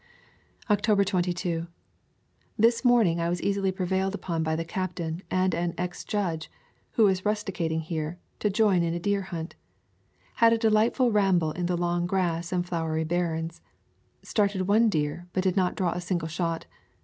October 22. This morning I was easily pre vailed upon by the captain and an ex judge, who was rusticating here, to join in a deer hunt. Had a delightful ramble in the long grass and flowery barrens. Started one deer but did not draw a single shot.